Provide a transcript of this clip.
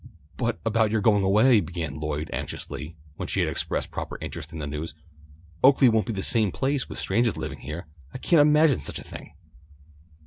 "But about your going away," began Lloyd, anxiously, when she had expressed proper interest in the news. "Oaklea won't be the same place with strangahs living heah. I can't imagine such a thing."